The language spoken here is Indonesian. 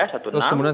satu tiga satu enam